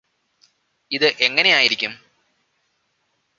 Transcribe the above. ഇത് എങ്ങനെയായിരിക്കും